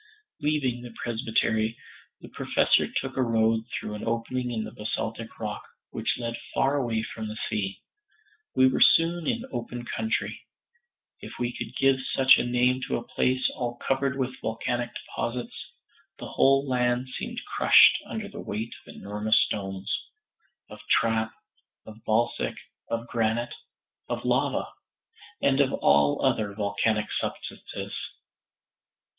Leaving the presbytery, the Professor took a road through an opening in the basaltic rock, which led far away from the sea. We were soon in open country, if we could give such a name to a place all covered with volcanic deposits. The whole land seemed crushed under the weight of enormous stones of trap, of basalt, of granite, of lava, and of all other volcanic substances.